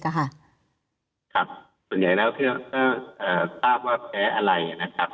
ครับส่วนใหญ่แล้วก็ทราบว่าแพ้อะไรนะครับ